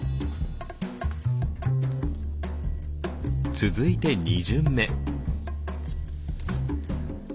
続いて２巡目。